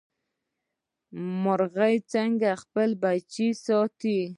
مورغۍ څنګه خپل بچي ساتي؟